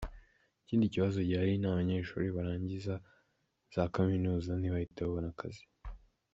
Ikindi kibazo gihari ni abanyeshuri barangiza za Kaminuza ntibahite babona akazi.